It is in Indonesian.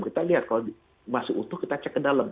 kita lihat kalau masih utuh kita cek ke dalam